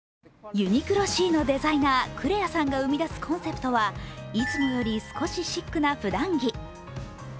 ＵＮＩＱＬＯ：Ｃのデザイナー・クレアさんが生み出すコンセプトは、いつもより少しシックな普段着。